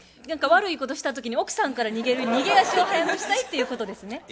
何か悪いことした時に奥さんから逃げる逃げ足を速くしたいっていうことですね？